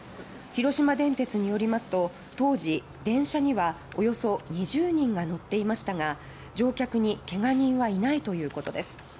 広島電鉄によりますと当時、電車にはおよそ２０人が乗っていましたが乗客にけが人はいないということです。